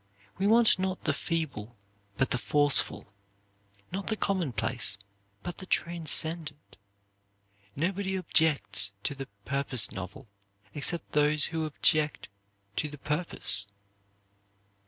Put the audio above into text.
We want not the feeble but the forceful; not the commonplace but the transcendent. Nobody objects to the 'purpose novel' except those who object to the purpose.